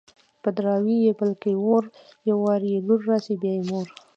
په دراوۍ يې بل کي اور _ يو وار يې لور راسي بيا مور